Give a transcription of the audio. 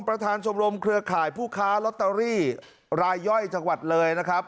ประธานชมรมเครือข่ายผู้ค้าลอตเตอรี่รายย่อยจังหวัดเลยนะครับ